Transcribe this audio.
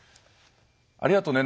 ありがとね